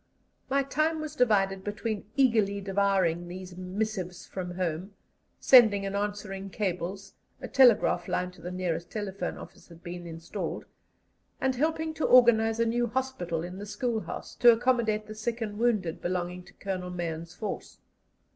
My time was divided between eagerly devouring these missives from home, sending and answering cables (a telegraph line to the nearest telephone office had been installed), and helping to organize a new hospital in the school house, to accommodate the sick and wounded belonging to Colonel Mahon's force.